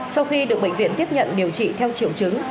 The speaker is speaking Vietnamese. sau khi được bệnh viện tiếp nhận điều trị theo triệu chứng